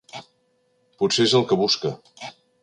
Potser és el que busca.